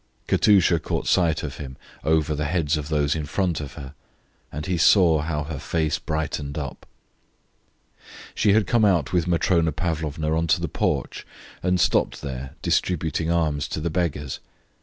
Katusha caught sight of him over the heads of those in front of her, and he saw how her face brightened up. She had come out with Matrona Pavlovna on to the porch, and stopped there distributing alms to the beggars.